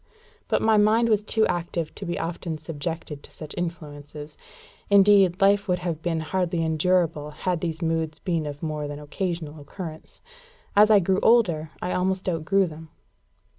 But my mind was too active to be often subjected to such influences. Indeed life would have been hardly endurable had these moods been of more than occasional occurrence. As I grew older, I almost outgrew them.